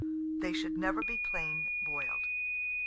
They should never be plain boiled.